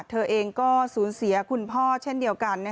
เธอเองก็สูญเสียคุณพ่อเช่นเดียวกัน